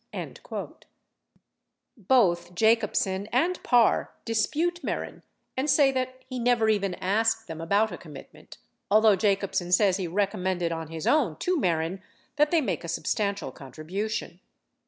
53 Both Jacobsen and Parr dispute Mehren and say that he never even asked them about a commitment, although Jacobsen says he recommended on his own to Mehren that they make a substantial con tribution.